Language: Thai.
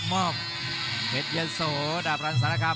มอบเพชรยะโสดาบรันสารคาม